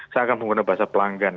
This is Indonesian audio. saya akan menggunakan bahasa pelanggan